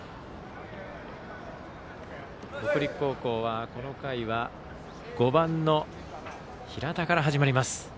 北陸高校はこの回は、５番の平田からです。